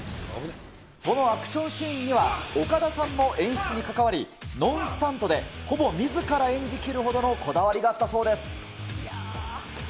そのアクションシーンには、岡田さんも演出に関わり、ノンスタントで、ほぼみずから演じきるほどのこだわりだったそうです。